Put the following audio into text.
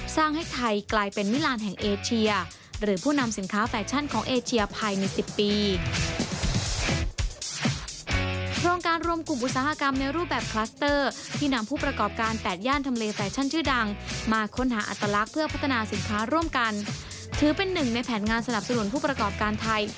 ให้ไทยกลายเป็นมิลานแห่งเอเชียหรือผู้นำสินค้าแฟชั่นของเอเชียภายใน๑๐ปี